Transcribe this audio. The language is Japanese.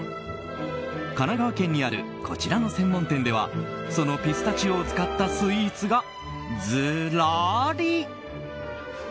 神奈川県にあるこちらの専門店ではそのピスタチオを使ったスイーツがずらり。